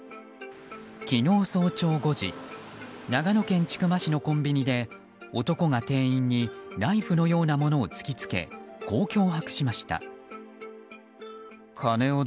昨日早朝５時長野県千曲市のコンビニで男が店員にナイフのようなものを突きつけこう脅迫しました。